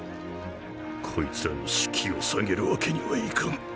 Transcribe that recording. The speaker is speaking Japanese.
こいつらの士気を下げるわけにはいかん